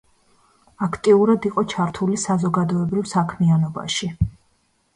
აქტიურად იყო ჩართული საზოგადოებრივ საქმიანობაში.